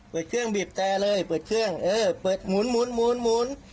เปิดเครื่องบีบแต่เลยเปิดเครื่องเออเปิดหมุนหมุนหมุนหมุน